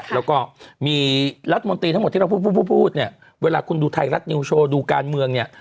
แล้วก็มีรัฐมนตรีทั้งหมดที่เราพูดพูดเนี่ยเวลาคุณดูไทยรัฐนิวโชว์ดูการเมืองเนี่ย